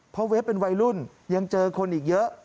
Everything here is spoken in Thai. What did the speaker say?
เพราะเวฟเป็นวัยรุ่นยังเจอคนอีกเยอะ